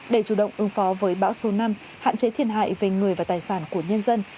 để chủ động ứng phó với bão số năm hạn chế thiệt hại về người và tài sản của nhân dân